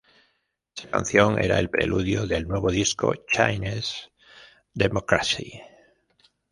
Esa canción era el preludio del nuevo disco, "Chinese Democracy".